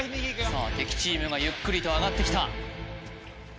さあ敵チームがゆっくりと上がってきた